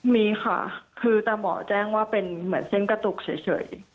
มีค่ะคือตามหมอแจ้งว่าเป็นเส้นกระตุกเฉย